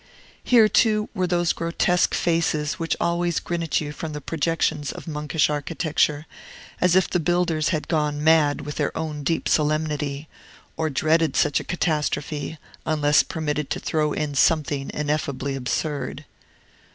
Here, too, were those grotesque faces which always grin at you from the projections of monkish architecture, as if the builders had gone mad with their own deep solemnity, or dreaded such a catastrophe, unless permitted to throw in something ineffably absurd.